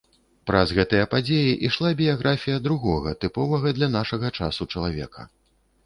Праз гэтыя падзеі ішла біяграфія другога тыповага для нашага часу чалавека.